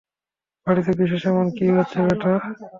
বাড়িতে বিশেষ এমন কী হচ্ছে, ব্যাটা?